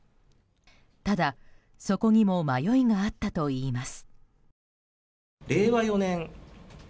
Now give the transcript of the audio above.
ただ、そこにも迷いがあったといいます。